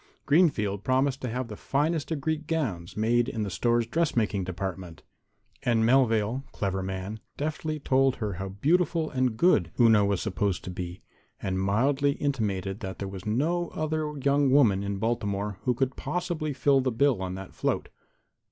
Greenfield promised to have the finest of Greek gowns made in the store's dressmaking department. And Melvale, clever man, deftly told her how beautiful and good Una was supposed to be, and mildly intimated that there was no other young woman in Baltimore who could possibly fill the bill on that float.